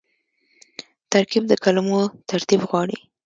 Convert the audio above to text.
ترکیب د کلمو ترتیب غواړي.